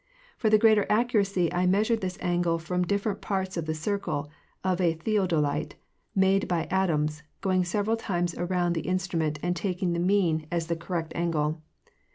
For the greater accuracy I measured this angle from different parts of the circle of a theodolite, made by Adams, going several times around the instrument and taking the mean as the correct angle.